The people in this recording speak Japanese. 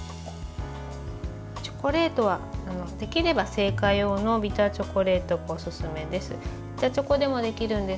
チョコレートは、できれば製菓用のビターチョコレートがおすすめです。